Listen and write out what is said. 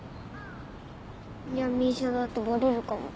闇医者だってバレるかも。